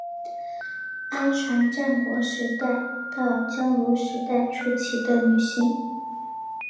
阿船战国时代到江户时代初期的女性。